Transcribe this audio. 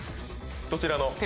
どちらの？